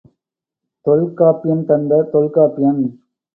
தொல்காப்பியம் தந்த தொல்காப்பியன்